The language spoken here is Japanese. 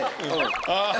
ああ。